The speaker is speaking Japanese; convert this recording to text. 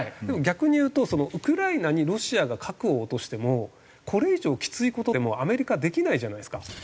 でも逆に言うとウクライナにロシアが核を落としてもこれ以上きつい事ってもうアメリカはできないじゃないですか。